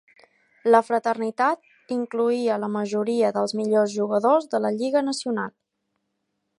La Fraternitat incloïa la majoria dels millors jugadors de la Lliga Nacional.